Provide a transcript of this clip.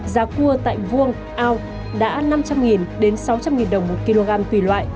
giá cua tại vuong ao đã năm trăm linh sáu trăm linh đồng một kg tùy loại